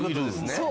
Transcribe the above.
そう。